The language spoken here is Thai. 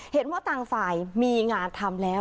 เห็นว่าต่างฝ่ายมีงานทำแล้ว